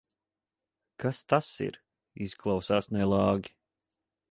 Kas tas ir? Izklausās nelāgi.